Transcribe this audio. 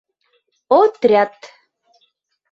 Отряд...